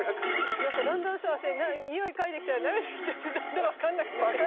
なんかだんだんさにおい嗅いできたら慣れてきちゃってだんだん分かんなくなっちゃったよ。